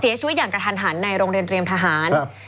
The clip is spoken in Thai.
เสียชีวิตอย่างกระทันหันในโรงเรียนเตรียมทหาร